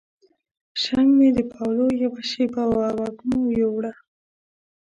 شرنګ مې د پاولو یوه شیبه وه وږمو یووړله